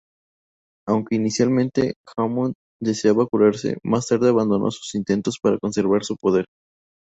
Aunque inicialmente Hammond deseaba curarse, más tarde abandonó sus intentos para conservar su poder.